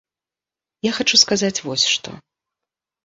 Я хачу сказаць вось што.